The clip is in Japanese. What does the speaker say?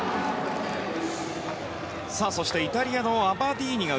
そしてイタリアのアバディーニ。